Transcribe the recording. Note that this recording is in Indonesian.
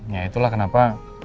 ya itulah kenapa